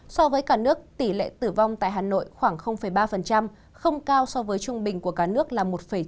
so với cả nước tỷ lệ tử vong tại hà nội khoảng ba không cao so với trung bình của cả nước là một chín